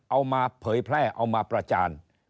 เอามาเผยแพร่เอามาประจาน